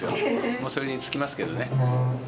もうそれに尽きますけどね。